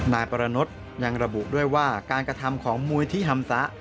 นายปรนดยังระบุด้วยว่าการกระทำของมูลที่ฮัมซะ